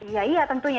ya iya tentunya